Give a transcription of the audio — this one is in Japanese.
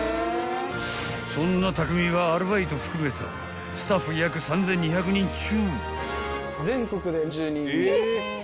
［そんな匠はアルバイト含めたスタッフ約３，２００人中］